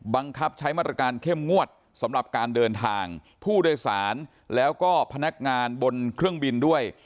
บังคับใช้มาตรการเข้มงวดสำหรับการเดินทางผู้โดยสารแล้วก็พนักงานบนเครื่องบินด้วย